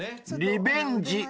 リベンジ